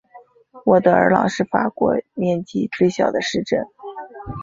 沃德尔朗是法国面积最小的市镇。